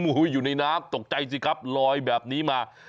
อยู่ในน้ำตกใจสิครับลอยแบบนี้มา